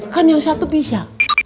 kan yang satu bisa